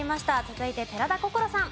続いて寺田心さん。